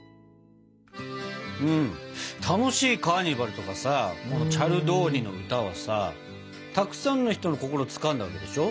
楽しいカーニバルとかさチャルドーニの歌はさたくさんの人の心をつかんだわけでしょ？